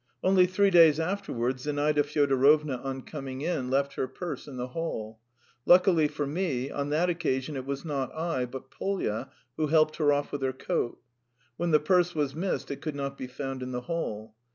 Only three days afterwards Zinaida Fyodorovna, on coming in, left her purse in the hall. Luckily for me, on that occasion it was not I but Polya who helped her off with her coat. When the purse was missed, it could not be found in the hall.